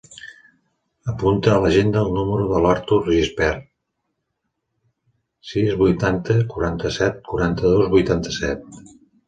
Apunta a l'agenda el número de l'Artur Gispert: sis, vuitanta, quaranta-set, quaranta-dos, vuitanta-set.